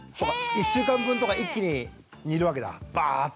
１週間分とか一気に煮るわけだバーッと。